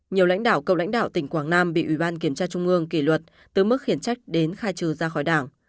nhiều lãnh đạo cựu lãnh đạo tỉnh quảng nam bị ủy ban kiểm tra trung ương kỷ luật từ mức khiển trách đến khai trừ ra khỏi đảng